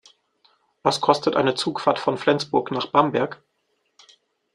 Was kostet eine Zugfahrt von Flensburg nach Bamberg?